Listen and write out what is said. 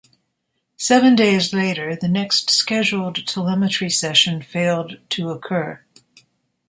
Seven days later, the next scheduled telemetry session failed to occur.